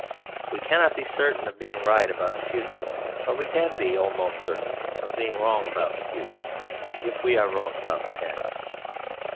We cannot be certain of being right about the future; but we can be almost certain of being wrong about the future, if we are wrong about the past.